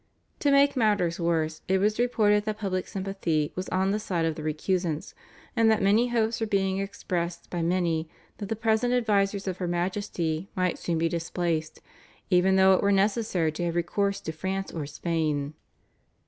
To make matters worse it was reported that public sympathy was on the side of the recusants, and that hopes were being expressed by many that the present advisers of her Majesty might soon be displaced, even though it were necessary to have recourse to France or Spain.